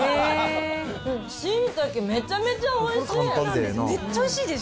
しいたけ、めちゃめちゃおいしい。